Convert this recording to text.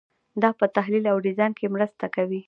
دا په تحلیل او ډیزاین کې مرسته کوي.